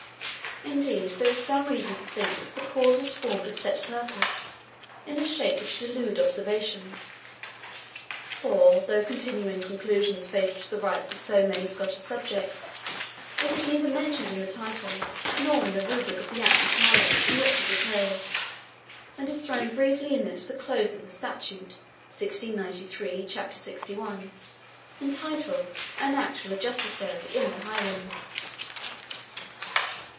Indeed, there is some reason to think that the clause was formed of set purpose, in a shape which should elude observation; for, though containing conclusions fatal to the rights of so many Scottish subjects, it is neither mentioned in the title nor the rubric of the Act of Parliament in which it occurs, and is thrown briefly in at the close of the statute 1693, chap. 61, entitled, an Act for the Justiciary in the Highlands.